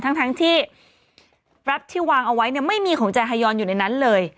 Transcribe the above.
ทั้งที่แรปที่วางเอาไว้เนี่ยไม่มีของแจฮายอนอยู่ในนั้นเลย